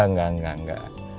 enggak enggak enggak